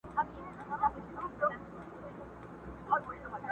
هم پرون په جنګ کي مړ دی هم سبا په سوله پړی دی٫